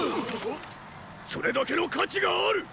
それだけの価値がある！